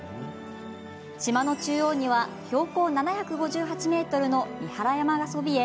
島の中央には標高７５８ｍの三原山がそびえ